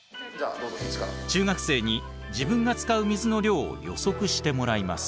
中学生に自分が使う水の量を予測してもらいます。